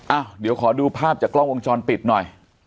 อ่ะเดี๋ยวขอดูภาพจากกล้องวงจรปิดหน่อย